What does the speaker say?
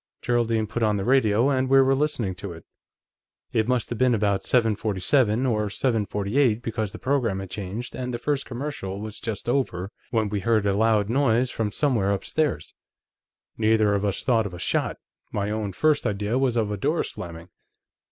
Geraldine put on the radio, and we were listening to it. "It must have been about 7:47 or 7:48, because the program had changed and the first commercial was just over, when we heard a loud noise from somewhere upstairs. Neither of us thought of a shot; my own first idea was of a door slamming.